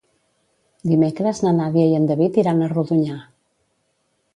Dimecres na Nàdia i en David iran a Rodonyà.